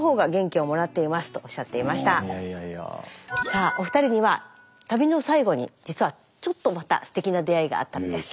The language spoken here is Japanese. さあお二人には旅の最後に実はちょっとまたステキな出会いがあったんです。